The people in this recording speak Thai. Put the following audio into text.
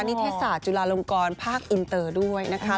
ในวงการภาคอินเตอร์ด้วยนะคะ